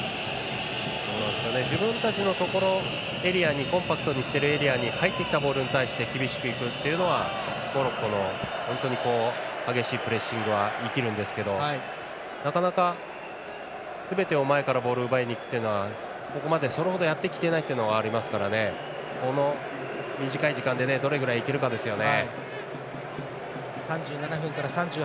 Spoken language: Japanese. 自分たちのところでコンパクトにしているエリアに入ってきたボールに対して厳しくいくというのはモロッコの本当に激しいプレッシングは生きるんですけどなかなかすべてを前からボール奪いにいくっていうのはここまで、それほどやってきていないというのがありますからこの短い時間でどのぐらい、いけるかですよね。